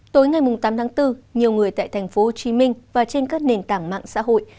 tối ngày tám tháng bốn nhiều người tại tp hcm và trên các nền tảng mạng xã hội